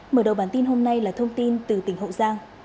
mở đầu bản tin hôm nay là thông tin từ tỉnh hậu giang